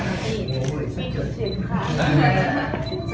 อันนี้ก็มองดูนะคะ